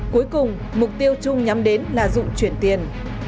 cuối cùng mục tiêu chung nhắm đến là dụng chuyển tiền